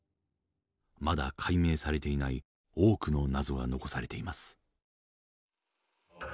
まだ解明されていない多くの謎が残されています。